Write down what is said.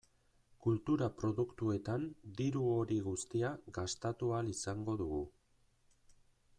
Kultura produktuetan diru hori guztia gastatu ahal izango dugu.